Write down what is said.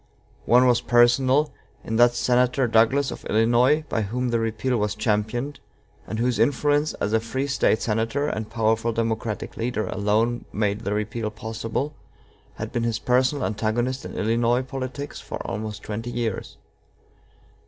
One was personal, in that Senator Douglas of Illinois, by whom the repeal was championed, and whose influence as a free State senator and powerful Democratic leader alone made the repeal possible, had been his personal antagonist in Illinois politics for almost twenty years.